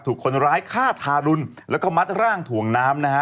ถูกคนร้ายฆ่าทารุณแล้วก็มัดร่างถ่วงน้ำนะฮะ